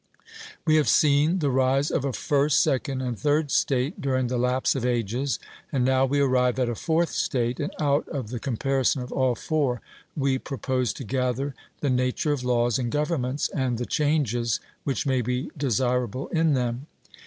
We have seen the rise of a first, second, and third state, during the lapse of ages; and now we arrive at a fourth state, and out of the comparison of all four we propose to gather the nature of laws and governments, and the changes which may be desirable in them.